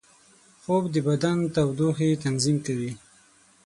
خوب د بدن تودوخې تنظیم کوي